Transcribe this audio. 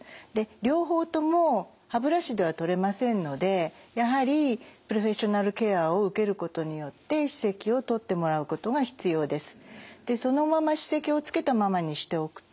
両方とも歯ブラシでは取れませんのでやはりプロフェッショナルケアを受けることによって歯石を取ってもらうことが必要です。